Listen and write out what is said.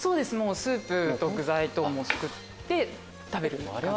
スープと具材とをすくって食べる感じの。